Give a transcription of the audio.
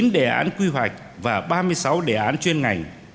chín đề án quy hoạch và ba mươi sáu đề án chuyên ngành